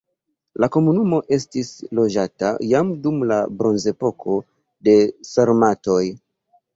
La komunumo estis loĝata jam dum la bronzepoko, de sarmatoj.